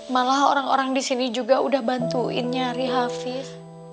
malah orang orang disini juga udah bantuin nyari hafiz